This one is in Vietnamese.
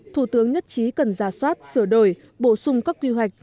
thủ tướng nhất trí cần ra soát sửa đổi bổ sung các quy hoạch